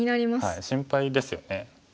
はい心配ですよね。